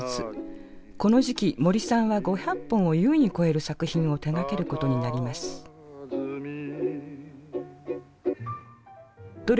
この時期森さんは５００本を優に超える作品を手がけることになります。